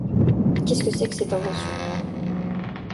Qu’est-ce que c’est que cette invention ?